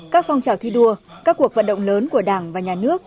các phong trào thi đua các cuộc vận động lớn của đảng và nhà nước